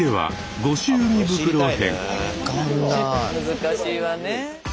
難しいわね。